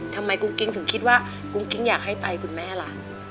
กุ้งกิ๊งถึงคิดว่ากุ้งกิ๊งอยากให้ไตคุณแม่ล่ะ